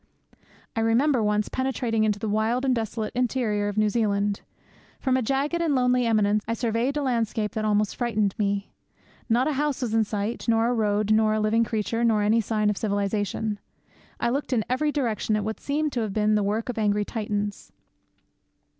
I remember once penetrating into the wild and desolate interior of New Zealand. From a jagged and lonely eminence I surveyed a landscape that almost frightened one. Not a house was in sight, nor a road, nor one living creature, nor any sign of civilization. I looked in every direction at what seemed to have been the work of angry Titans.